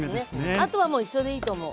あとは一緒でいいと思う。